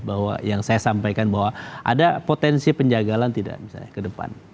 bahwa yang saya sampaikan bahwa ada potensi penjagalan tidak misalnya ke depan